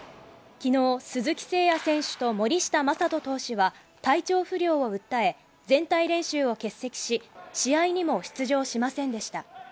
昨日、鈴木誠也選手と森下暢仁投手は体調不良を訴え全体練習を欠席し、試合にも出場しませんでした。